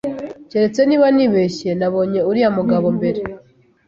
Keretse niba nibeshye, nabonye uriya mugabo mbere.